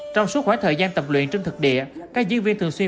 trong suốt khoảng thời gian tập luyện trên thực địa các diễn viên thường xuyên